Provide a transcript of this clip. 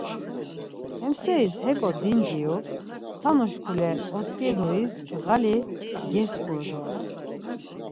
Hem seris heko dinciru, tanu şkule otzǩeduis ğali geskuru doren.